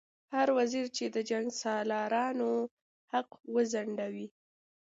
هر وزیر چې د جنګسالارانو حق وځنډوي.